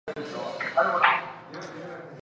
鸟媒花的花期也与蜂鸟的生殖季同期。